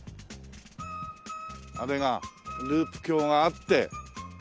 あれがループ橋があって。